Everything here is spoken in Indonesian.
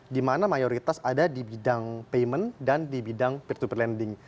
di mana mayoritas ada di bidang payment dan di bidang peer to peer lending